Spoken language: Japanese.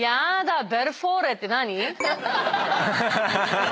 「ベルフォーレ」って何？